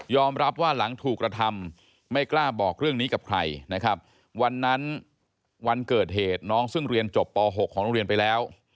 รับว่าหลังถูกกระทำไม่กล้าบอกเรื่องนี้กับใครนะครับวันนั้นวันเกิดเหตุน้องซึ่งเรียนจบป๖ของโรงเรียนไปแล้ว